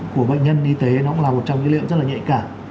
của bệnh nhân y tế nó cũng là một trong những dữ liệu rất là nhạy cả